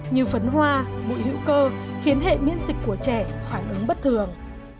như phấn hoa bụi hữu cơ khiến hệ miễn dịch của trẻ phản ứng bất thường